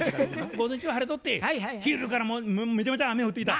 午前中晴れとって昼からもうめちゃめちゃ雨降ってきた。